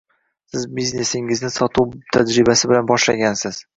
Siz biznesingizni sotuv tajribasi bilan boshlagansiz.